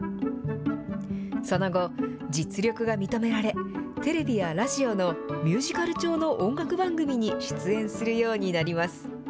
その後、実力が認められ、テレビやラジオのミュージカル調の音楽番組に出演するようになります。